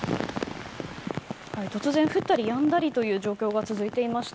突然降ったりやんだりという状況が続いていました。